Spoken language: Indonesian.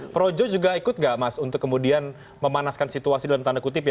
projo juga ikut gak mas untuk kemudian memanaskan situasi dalam tanda kutip ya